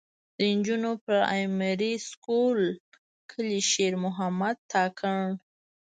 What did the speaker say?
د نجونو پرائمري سکول کلي شېر محمد تارڼ.